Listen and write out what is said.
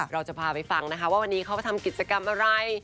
เราจะพาไปฟังนะคะว่าวันนี้เขาไปทำกิจกรรมอะไร